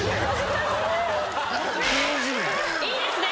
いいですね？